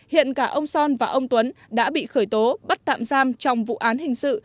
hiện cả ông son và ông tuấn đã bị khởi tố bắt tạm giam trong vụ án hình sự